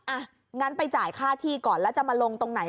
อ่ะงั้นไปจ่ายค่าที่ก่อนแล้วจะมาลงตรงไหน